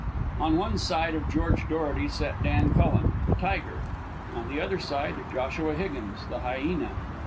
On one side of George Dorety sat Dan Cullen, the tiger, on the other side, Joshua Higgins, the hyena.